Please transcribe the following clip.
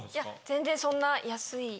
全然そんな安い。